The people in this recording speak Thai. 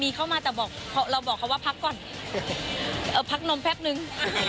มีเข้ามาแต่บอกเราบอกเขาว่าพักก่อนพักลมแป๊บนึง